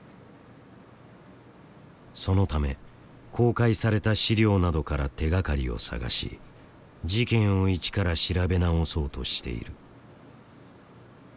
そのため公開された資料などから手がかりを探し事件を一から調べ直そうとしている。